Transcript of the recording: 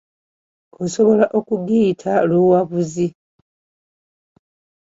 Osobola kugiyita luwabuzi.